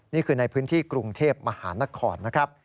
นี่คือในพื้นที่กรุงเทพฯมหานคร